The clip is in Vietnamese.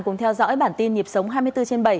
cùng theo dõi bản tin nhịp sống hai mươi bốn trên bảy